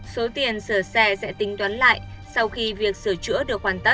số tiền sửa xe sẽ tính toán lại sau khi việc sửa chữa được hoàn tất